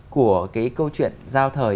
của cái câu chuyện giao thời